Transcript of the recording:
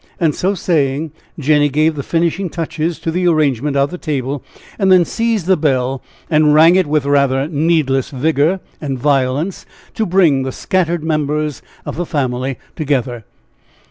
And so saying, Jenny gave the finishing touches to the arrangement of the table, and then seized the bell, and rang it with rather needless vigor and violence, to bring the scattered members of the family together.